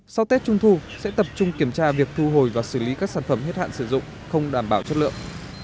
sau tết trung thu sẽ tập trung kiểm tra việc thu hồi và xử lý các sản phẩm hết hạn sử dụng không đảm bảo chất lượng